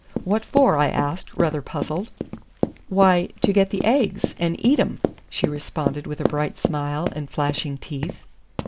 "What for?" I asked, rather puzzled. "Why, to get the aigs and eat 'em!" she responded with a bright smile and flashing teeth.